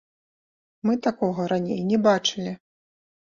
Мы такога раней не бачылі.